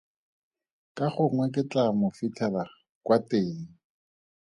Ka gongwe ke tlaa mo fitlhela kwa teng.